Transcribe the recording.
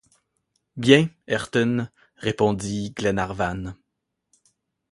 Bien, Ayrton, répondit Glenarvan.